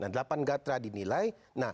delapan gatra dinilai